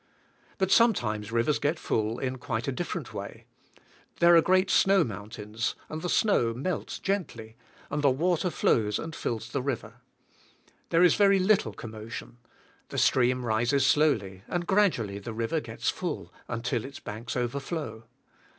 But sometimes rivers get full in quite a different way. There are great snow mountains, and the snow melts gently, and the wa 8S ^HE SPIRITUAL LIF:^. ter flows and fills the river. There is very little commotion. The stream rises slowly, and gradt^ally the river g ets full, until its banks overflow.